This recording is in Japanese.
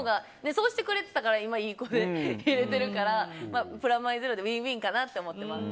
そうしてくれたから今、いい子でいれているからプラマイゼロでウィンウィンかなと思ってます。